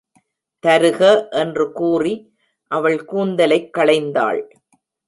தருக என்று கூறி அவள் கூந்தலைக் களைந்தாள்.